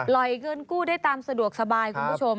เงินกู้ได้ตามสะดวกสบายคุณผู้ชม